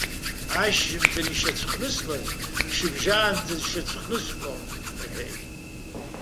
Ашьжьымҭан ишьацәхныслаз шьыбжьаанӡа дшьацәхныслон рҳәеит.